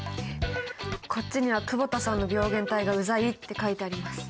こっちには「久保田さんの病原体がウザい」って書いてあります。